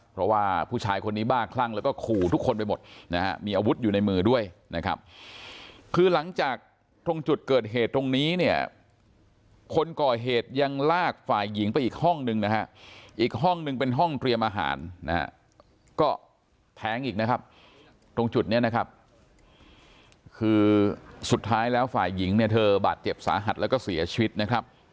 เพราะว่าผู้ชายคนนี้บ้าคลั่งแล้วก็ขู่ทุกคนไปหมดนะฮะมีอาวุธอยู่ในมือด้วยนะครับคือหลังจากตรงจุดเกิดเหตุตรงนี้เนี่ยคนก่อเหตุยังลากฝ่ายหญิงไปอีกห้องนึงนะฮะอีกห้องนึงเป็นห้องเตรียมอาหารนะฮะก็แทงอีกนะครับตรงจุดนี้นะครับคือสุดท้ายแล้วฝ่ายหญิงเนี่ยเธอบาดเจ็บสาหัสแล้วก็เสียชีวิตนะครับ